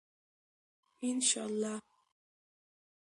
انشاءالله.